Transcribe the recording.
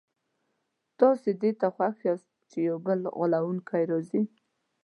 تاسي دې ته خوښ یاست چي یو بل غولونکی راځي.